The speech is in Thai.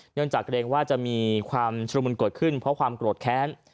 เนื่องจากเกรงว่าจะมีความชุดมุนเกิดขึ้นเพราะความโกรธแค้น